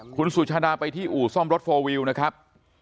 คุณสุชาดาไปที่อู่ซ่อมรถโฟลวิวนะครับ